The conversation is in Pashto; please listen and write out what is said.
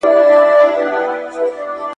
زه پرون موټر کاروم ،